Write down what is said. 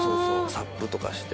ＳＵＰとかして。